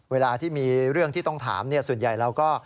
เวลาที่มีเรื่องที่ต้องถามส่วนใหญ่เราก็